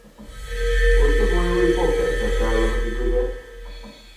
Oes 'na fwy o wybodaeth ar gael am y digwyddiad?